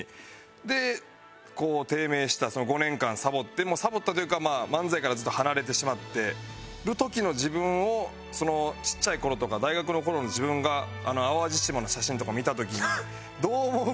でこう低迷したその５年間サボってサボったというか漫才からずっと離れてしまってる時の自分をちっちゃい頃とか大学の頃の自分があの淡路島の写真とかを見た時にどう思うかっていう。